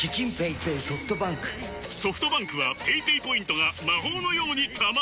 ソフトバンクはペイペイポイントが魔法のように貯まる！